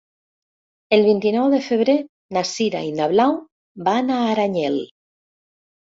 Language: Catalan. El vint-i-nou de febrer na Sira i na Blau van a Aranyel.